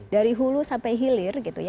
dari hulu sampai hilir gitu ya